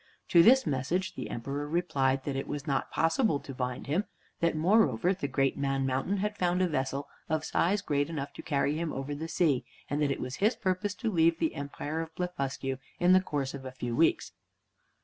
To this message the Emperor replied that it was not possible to bind him; that moreover the Great Man Mountain had found a vessel of size great enough to carry him over the sea, and that it was his purpose to leave the Empire of Blefuscu in the course of a few weeks.